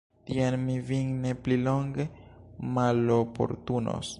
Tiam mi vin ne pli longe maloportunos.